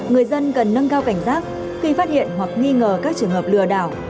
người dân cần nâng cao cảnh giác khi phát hiện hoặc nghi ngờ các trường hợp lừa đảo